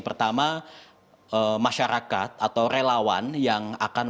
pertama masyarakat atau relawan yang akan